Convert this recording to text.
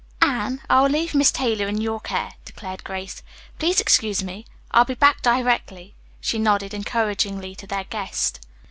"Anne, I will leave Miss Taylor in your care," declared Grace. "Please excuse me, I'll be back directly," she nodded encouragingly to their guest.